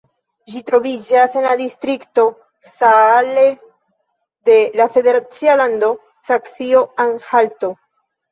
Ĝi troviĝas en la distrikto Saale de la federacia lando Saksio-Anhalto.